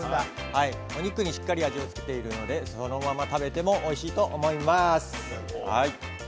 お肉にしっかり味を付けているのでそのまま食べてもおいしいと思います。